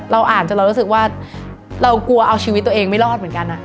อ่านจนเรารู้สึกว่าเรากลัวเอาชีวิตตัวเองไม่รอดเหมือนกัน